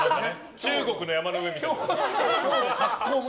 中国の山の上みたいなところ。